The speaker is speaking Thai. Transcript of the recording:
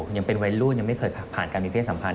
ยังเป็นวัยรุ่นยังไม่เคยผ่านการมีเพศสัมพันธ